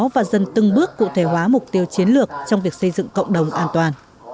và dần từng bước cụ thể hóa mục tiêu chiến lược trong việc xây dựng cộng đồng an toàn